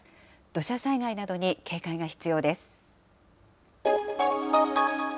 土砂災害などに警戒が必要です。